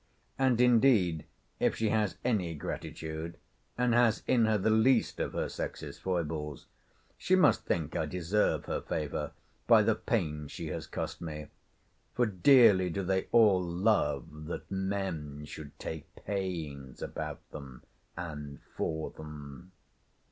And indeed if she has any gratitude, and has in her the least of her sex's foibles, she must think I deserve her favour, by the pains she has cost me. For dearly do they all love that men should take pains about them and for them.